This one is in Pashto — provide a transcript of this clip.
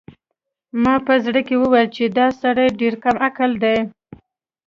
ما په زړه کې وویل چې دا سړی ډېر کم عقل دی.